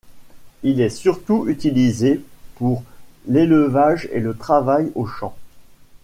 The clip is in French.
Il est surtout utilisé pour l'élevage et le travail aux champs.